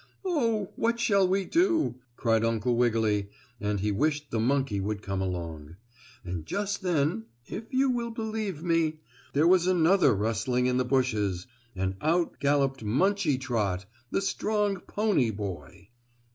"Oh, what shall we do?" cried Uncle Wiggily, and he wished the monkey would come along. And just then, if you will believe me, there was another rustling in the bushes, and out galloped Munchie Trot, the strong pony boy.